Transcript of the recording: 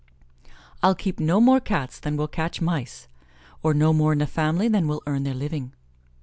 "I'll keep no more Cats than will catch mice;" or no more in family than will earn their living.